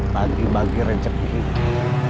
bagi bagi rejeki ini